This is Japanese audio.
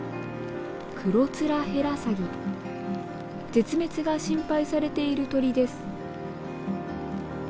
絶滅が心配されている鳥です。